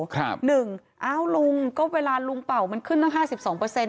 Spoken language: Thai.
ครับหนึ่งอ้าวลุงก็เวลาลุงเป่ามันขึ้นตั้งห้าสิบสองเปอร์เซ็น